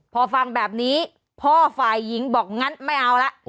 พอฟังแบบนี้พ่อฝ่ายหญิงบอกงั้นไม่เอาละ